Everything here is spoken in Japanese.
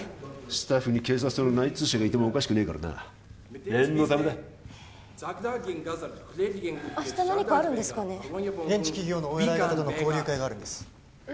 スタッフに警察との内通者がいてもおかしくねえからな念のためだ明日何かあるんですかね現地企業のお偉い方との交流会があるんですえ